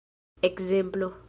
ekzemplo